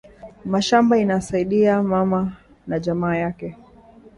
Mashamba ina saidiya mama na jamaa yake